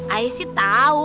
ayah sih tau